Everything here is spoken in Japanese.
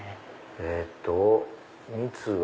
えっと蜜は。